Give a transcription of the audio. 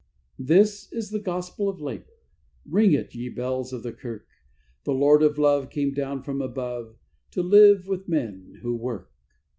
This is the gospel of labour, ring it, ye bells of the kirk! The Lord of Love came down from above, to live with the men who work.